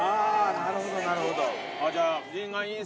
なるほどなるほど。